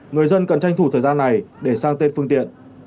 người dân cần tranh thủ thời gian này để sang tên phương tiện